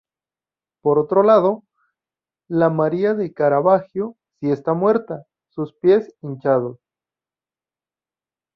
Por otro lado, la María de Caravaggio sí está muerta; sus pies, hinchados.